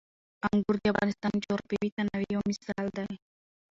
انګور د افغانستان د جغرافیوي تنوع یو مثال دی.